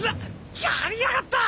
やりやがった！